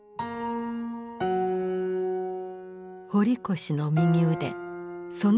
堀越の右腕曾根